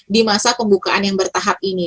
di masa pembukaan yang bertahap ini